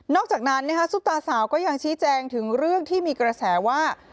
อกจากนั้นซุปตาสาวก็ยังชี้แจงถึงเรื่องที่มีกระแสว่า